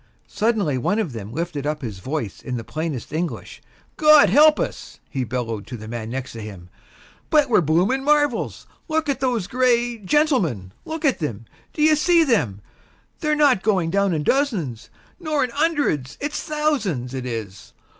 Suddenly one of them lifted up his voice in the plainest English. "Gawd help us!" he bellowed to the man next to him, "but we're blooming marvels! Look at those gray ... gentlemen, look at them! D'ye see them? They're not going down in dozens nor in 'undreds; it's thousands, it is.